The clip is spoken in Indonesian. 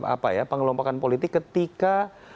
apa ya pengelompokan politik ketika